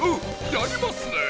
やりますねえ！